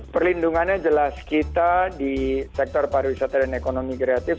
perlindungannya jelas kita di sektor pariwisata dan ekonomi kreatif